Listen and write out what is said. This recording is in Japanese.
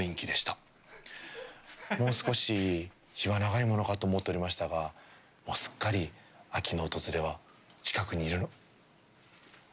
もう少し日は長いものかと思っておりましたがもうすっかり秋の訪れは近くにいるの。